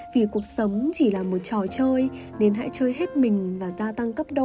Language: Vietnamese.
vì cuộc sống chỉ là một trò chơi nên hãy chơi hết mình và gia tăng cấp độ